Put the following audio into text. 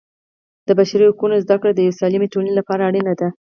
د بشري حقونو زده کړه د یوې سالمې ټولنې لپاره اړینه ده.